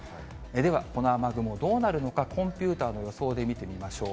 ではこの雨雲どうなるのか、コンピューターの予想で見てみましょう。